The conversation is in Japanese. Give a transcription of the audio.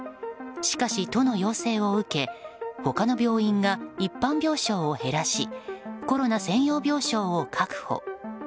しかし、都の要請を受け他の病院が一般病床を減らしコロナ専用病床を確保。